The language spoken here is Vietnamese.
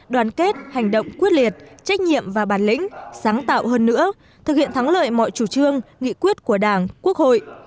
đoàn kết hành động quyết liệt trách nhiệm và bản lĩnh sáng tạo hơn nữa thực hiện thắng lợi mọi chủ trương nghị quyết của đảng quốc hội